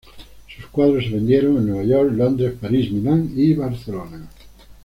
Sus cuadros se vendieron en Nueva York, Londres, París, Milán y Barcelona.